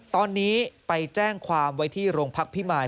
ตอนนี้ไปแจ้งความไว้ที่โรงพักพิมาย